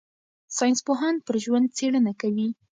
ساینسپوهان پر ژوند څېړنه کوي.